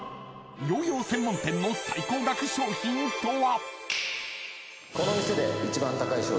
［ヨーヨー専門店の最高額商品とは？］